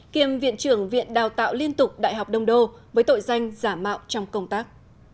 kiêm viện trưởng viện đào tạo liên tục đại học đông đô với tội danh giả mạo trong công tác